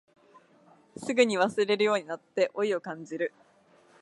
すぐに忘れるようになって老いを感じる